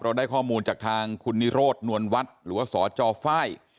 ได้ข้อมูลจากทางคุณนิโรธนวลวัฒน์หรือว่าสจฝ้าย